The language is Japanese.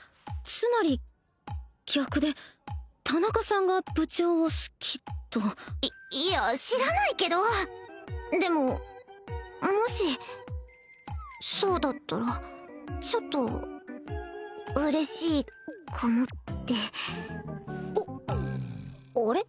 つまり逆で田中さんが部長を好きといいや知らないけどでももしそうだったらちょっと嬉しいかもってあれ？